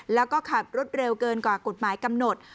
แล้วก็ขับรถเร็วเกินกว่ากฎหมายกำหนด